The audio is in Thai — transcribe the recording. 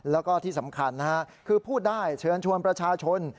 แล้วก็ที่สำคัญนะฮะคือพูดได้เชิญชวนประชาชน